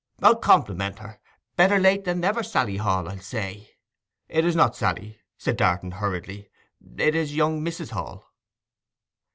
I'll compliment her. "Better late than never, Sally Hall," I'll say.' 'It is not Sally,' said Darton hurriedly. 'It is young Mrs. Hall.